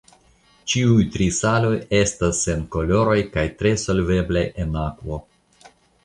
Ĉiuj tri saloj estas senkoloraj kaj tre solveblaj en akvo.